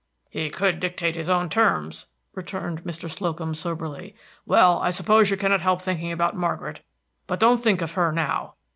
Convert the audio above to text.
"He could dictate his own terms," returned Mr. Slocum, soberly. "Well, I suppose you cannot help thinking about Margaret; but don't think of her now.